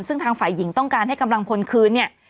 ซึ่งทางฝ่ายหญิงต้องการให้กำลังพลคืนเนี่ย